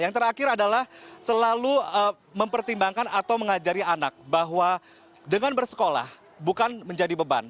yang terakhir adalah selalu mempertimbangkan atau mengajari anak bahwa dengan bersekolah bukan menjadi beban